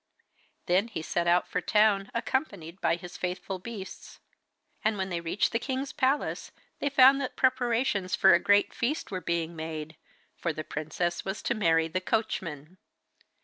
Then he set out for the town, accompanied by his faithful beasts. And when they reached the king's palace they found that preparations for a great feast were being made, for the princess was to marry the coachman.